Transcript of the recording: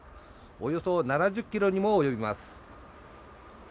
およそ７０キロにも及びます。